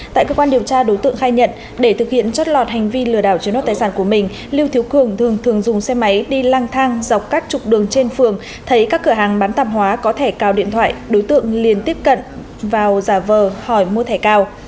tại cơ quan điều tra đối tượng khai nhận để thực hiện trót lọt hành vi lừa đảo chiếm đoạt tài sản của mình lưu thiếu cường thường thường dùng xe máy đi lang thang dọc các trục đường trên phường thấy các cửa hàng bán tạp hóa có thẻ cào điện thoại đối tượng liền tiếp cận vào giả vờ hỏi mua thẻ cao